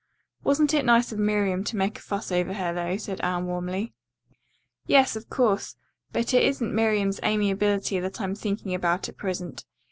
"Wasn't it nice of Miriam to make a fuss over her, though?" said Anne warmly. "Yes, of course, but it isn't Miriam's amiability that I'm thinking about at present.